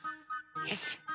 よし。